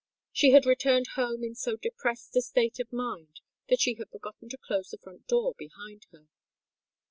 She had returned home in so depressed a state of mind that she had forgotten to close the front door behind her.